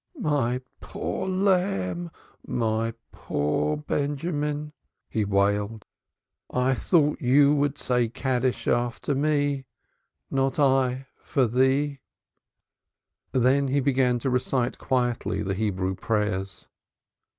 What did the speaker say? "My poor lamb! My poor Benjamin," he wailed. "I thought thou wouldst say Kaddish after me, not I for thee." Then he began to recite quietly the Hebrew prayers.